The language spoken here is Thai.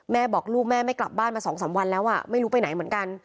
แม่บอกลูกแม่ไม่กลับบ้านมา๒๓วันแล้วไม่รู้ไปไหนเหมือนกัน